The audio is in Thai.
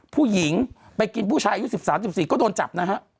ผู้หญิงไปกินผู้ชายอายุ๑๓๑๔ก็โดนจับนะฮะ